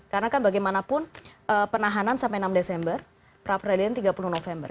karena kan bagaimanapun penahanan sampai enam desember prapradayaan tiga puluh november